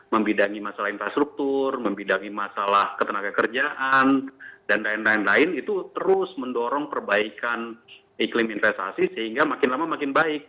membidangi masalah infrastruktur membidangi masalah ketenaga kerjaan dan lain lain itu terus mendorong perbaikan iklim investasi sehingga makin lama makin baik